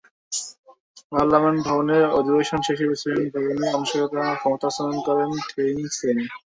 Parliament ভবনের অধিবেশন শেষে প্রেসিডেন্ট ভবনে আনুষ্ঠানিকভাবে ক্ষমতা হস্তান্তর করেন থেইন সেইন।